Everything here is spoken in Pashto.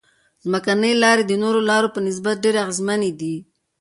ځمکنۍ لارې د نورو لارو په نسبت ډېرې اغیزمنې دي